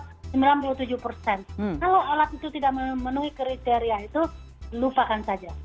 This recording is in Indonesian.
kalau alat itu tidak memenuhi kriteria itu lupakan saja